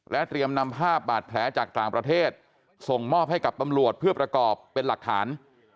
เตรียมนำภาพบาดแผลจากต่างประเทศส่งมอบให้กับตำรวจเพื่อประกอบเป็นหลักฐาน